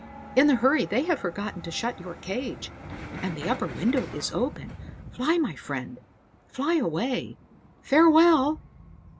In the hurry they have forgotten to shut your cage, and the upper window is open. Fly, my friend; fly away. Farewell!"